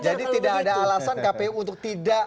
jadi tidak ada alasan kpu untuk tidak